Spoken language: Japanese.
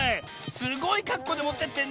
すごいかっこうでもってってんね。